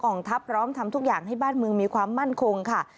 ทัพพร้อมทำทุกอย่างให้บ้านเมืองมีความมั่นคงค่ะ